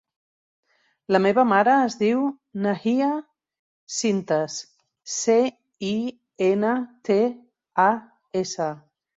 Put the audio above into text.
La meva mare es diu Nahia Cintas: ce, i, ena, te, a, essa.